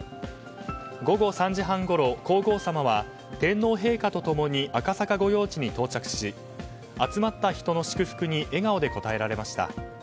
午後３時半ごろ皇后さまは、天皇陛下と共に赤坂御用地に到着し集まった人の祝福に笑顔で応えられました。